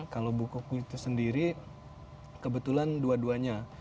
kalau bukuku itu sendiri kebetulan dua duanya